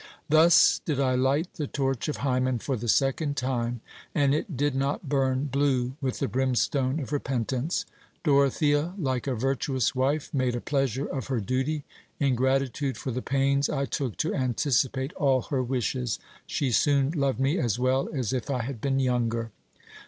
Thus did I light the torch of Hymen for the second time, and it did not burn blue with the brimstone of repentance. Dorothea, like a virtuous wife, made a pleasure of her duty ; in gratitude for the pains I took to anticipate all her wishes, she soon loved me as well as if I had been younger.